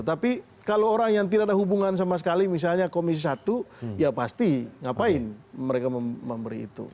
tapi kalau orang yang tidak ada hubungan sama sekali misalnya komisi satu ya pasti ngapain mereka memberi itu